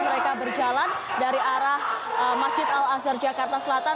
mereka berjalan dari arah masjid al azhar jakarta selatan